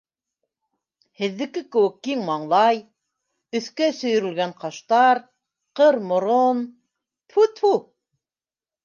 Һеҙҙеке кеүек киң маңлай, өҫкә сөйөрөлгән ҡаштар, ҡыр морон, тфү-тфү...